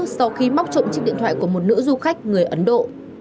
sau khi móc trộm chiếc điện thoại của một nữ du khách người ấn độ